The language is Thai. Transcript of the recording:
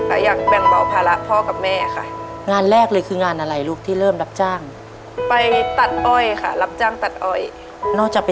ก็อยากแบ่งเบาภาระพ่อกับแม่ค่ะ